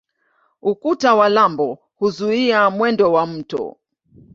Ukuta wa lambo huzuia mwendo wa mto.